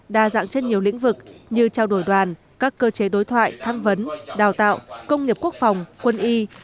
đa dạng trên nhiều lĩnh vực như trao đổi đoàn các cơ chế đối thoại tham vấn đào tạo công nghiệp quốc phòng quân y